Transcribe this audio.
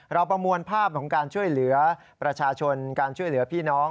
ประมวลภาพของการช่วยเหลือประชาชนการช่วยเหลือพี่น้อง